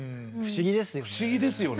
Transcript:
不思議ですよね。